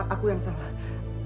aku yang salah